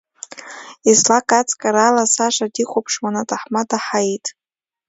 Излак аҵкар ала Саша дихәаԥшуан аҭаҳмада Ҳаиҭ.